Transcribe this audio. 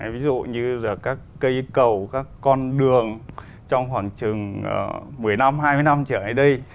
ví dụ như các cây cầu các con đường trong khoảng chừng một mươi năm hai mươi năm trở này